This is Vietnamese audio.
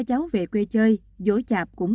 cháu về quê chơi dối chạp cũng